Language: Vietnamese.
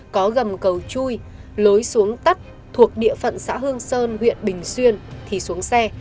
có gầm cầu chui lối xuống tắt thuộc địa phận xã hương sơn huyện bình xuyên thì xuống xe